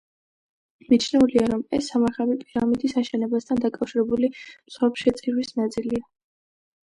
მიჩნეულია, რომ ეს სამარხები პირამიდის აშენებასთან დაკავშირებული მსხვერპლშეწირვის ნაწილია.